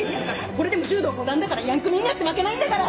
これでも柔道５段だからヤンクミにだって負けないんだから。